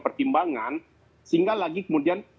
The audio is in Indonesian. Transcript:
pertimbangan sehingga lagi kemudian